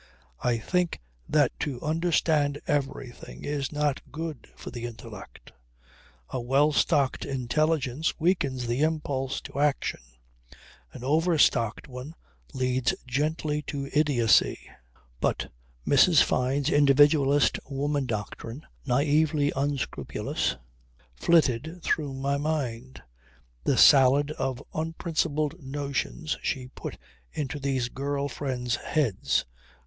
I think that to understand everything is not good for the intellect. A well stocked intelligence weakens the impulse to action; an overstocked one leads gently to idiocy. But Mrs. Fyne's individualist woman doctrine, naively unscrupulous, flitted through my mind. The salad of unprincipled notions she put into these girl friends' heads!